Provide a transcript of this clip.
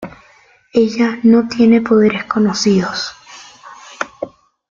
Ella no tiene poderes conocidos.